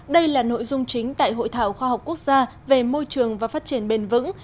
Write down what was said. đây là nội dung chính tại hội thảo khoa học quốc gia về môi trường và phát triển bền vững